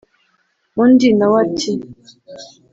undi na we ati